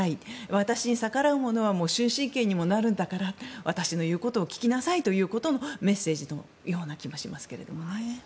私に逆らう者は終身刑にもなるんだから私の言うことを聞きなさいというメッセージの気がしますけどね。